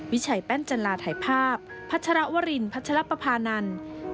วิชัยแป้นจันลาถ่ายภาพพัชรวรินพัชรปภานันทร์